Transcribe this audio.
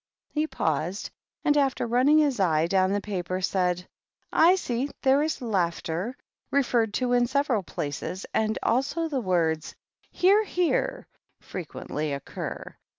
He paused, and after running his eye down the paper, said, " I see there is * Laughter^ referred to in several places, and also the words ^ Hear ! Hear P fre quently occur.